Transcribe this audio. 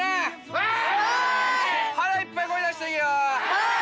はい！